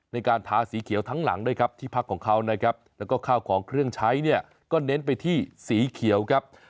ในการทาสีเขียวทั้งหลังด้วยครับที่พักของเขานะครับแล้วก็ข้าวของเครื่องใช้เนี่ยก็เน้นไปที่สีเขียวครับ